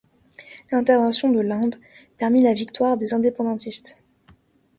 L'intervention de l'Inde permit la victoire des indépendantistes.